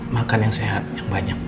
makan yang sehat yang banyak